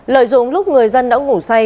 lợi dụng lúc người dân đã ngủ say